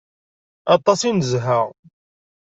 Aṭas i nezha.